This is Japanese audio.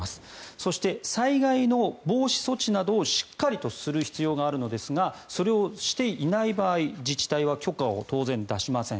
そして、災害の防止措置などをしっかりとする必要があるのですがそれをしていない場合自治体は許可を当然出しません。